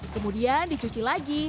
kemudian dicuci lagi